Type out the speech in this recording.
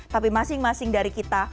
tapi masing masing dari kita